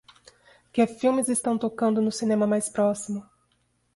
Que filmes estão tocando no cinema mais próximo